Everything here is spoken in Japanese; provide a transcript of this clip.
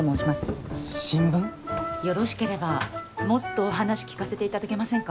よろしければもっとお話聞かせていただけませんか？